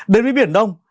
đến với biển đông